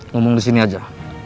ngomong disini aja